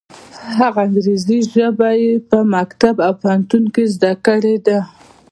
هغه انګریزي ژبه یې په مکتب او پوهنتون کې زده کړې ده.